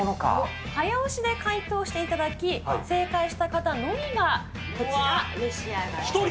早押しで回答していただき、正解した方のみがこちら、召し上１人？